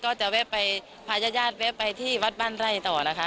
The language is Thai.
ก็จะแวะไปพาญาติญาติแวะไปที่วัดบ้านไร่ต่อนะคะ